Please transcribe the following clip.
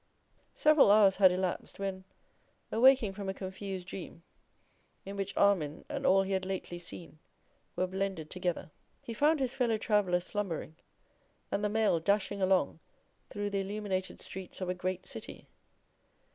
Several hours had elapsed, when, awaking from a confused dream in which Armine and all he had lately seen were blended together, he found his fellow travellers slumbering, and the mail dashing along through the illuminated streets of a great city.